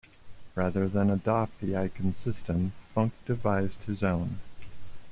Rather than adopt the Aikin system, Funk devised his own.